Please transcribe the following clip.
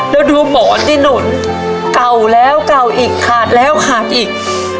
แล้วดูหมอนที่หนุนเก่าแล้วเก่าอีกขาดแล้วขาดอีก